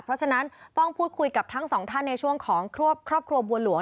เพราะฉะนั้นต้องพูดคุยกับทั้งสองท่านในช่วงของครอบครัวบัวหลวง